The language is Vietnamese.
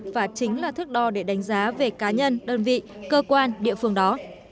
và chính là thức đo để đánh giá về cá nhân đơn vị cơ quan địa phương đó